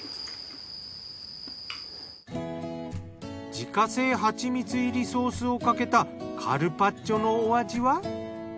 自家製ハチミツ入りソースをかけたカルパッチョのお味は？